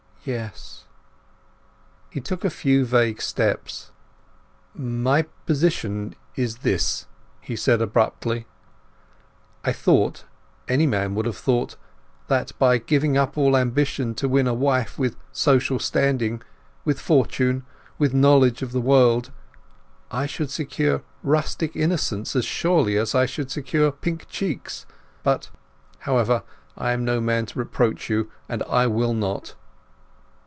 "Yes." He took a few vague steps. "My position—is this," he said abruptly. "I thought—any man would have thought—that by giving up all ambition to win a wife with social standing, with fortune, with knowledge of the world, I should secure rustic innocence as surely as I should secure pink cheeks; but—However, I am no man to reproach you, and I will not."